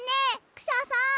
クシャさん